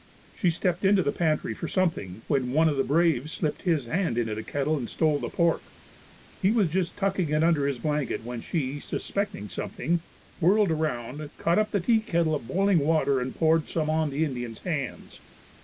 She stepped into the pantry for something, when one of the braves slipped his hand into the kettle and stole the pork. He was just tucking it under his blanket when she, suspecting something, whirled around, caught up the teakettle of boiling water and poured some on the Indian's hands.